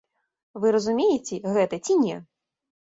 Вы разумееце гэта ці не?